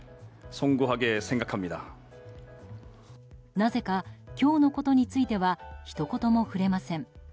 なぜか、今日のことについてはひと言も触れません。